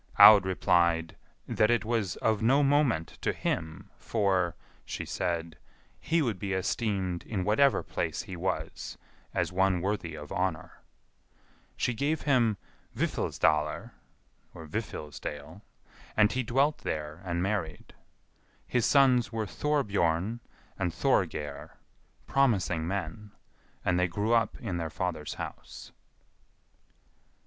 Aud replied, "That it was of no moment to him, for," she said, "he would be esteemed in whatever place he was, as one worthy of honour." She gave him Vifilsdalr (Vifilsdale), and he dwelt there and married. His sons were Thorbjorn and Thorgeir, promising men, and they grew up in their father's house.